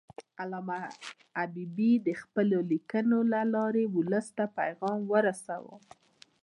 علامه حبیبي د خپلو لیکنو له لارې ولس ته پیغام ورساوه.